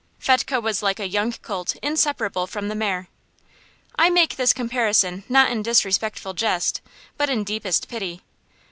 Fetchke was like a young colt inseparable from the mare. I make this comparison not in disrespectful jest, but in deepest pity.